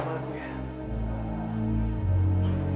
mama masih marah sama aku